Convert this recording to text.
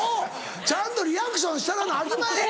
ちゃんとリアクションしたらなあきまへんねん。